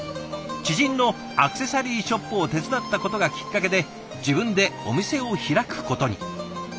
知人のアクセサリーショップを手伝ったことがきっかけで自分でお店を開くことに。